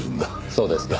そうですか。